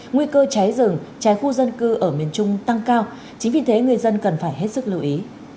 nguy cơ cháy rừng cháy khu dân cư ở miền trung tăng cao chính vì thế người dân cần phải hết sức lưu ý